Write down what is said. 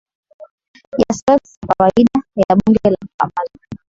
ya sloths ya kawaida ya Bonde la Mto Amazon